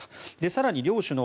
更に両首脳